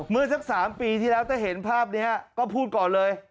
เมื่อสัก๓ปีที่แล้วถ้าเห็นภาพนี้ก็พูดก่อนเลย